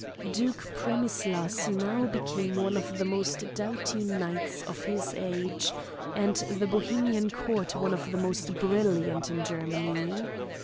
Duke Premislas now became one of the most doughty knights of his age, and the Bohemian court one of the most brilliant in Germany.